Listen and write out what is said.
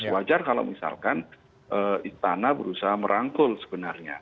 wajar kalau misalkan istana berusaha merangkul sebenarnya